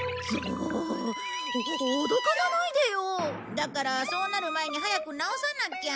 だからそうなる前に早く治さなきゃ。